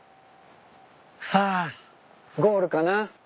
さあゴールかな？